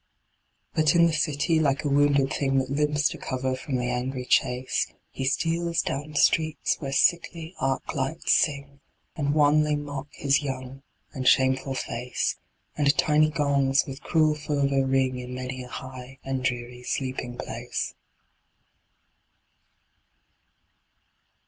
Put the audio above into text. But in the city, like a wounded thing That limps to cover from the angry chase, He steals down streets where sickly arc lights sing, And wanly mock his young and shameful face; And tiny gongs with cruel fervor ring In many a high and dreary sleeping place.